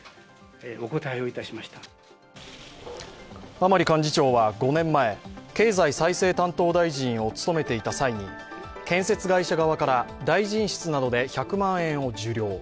甘利幹事長は５年前、経済再生担当大臣を務めていた際に建設会社側から大臣室などで１００万円を受領。